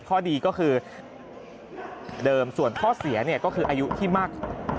ข้อดีก็คือเดิมส่วนข้อเสียเนี่ยก็คืออายุที่มาก